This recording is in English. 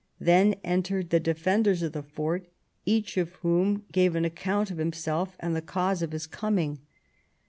Then entered the defenders of the fort, each of whom gave an account of himself and the cause of his coming.